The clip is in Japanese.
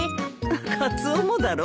カツオもだろ？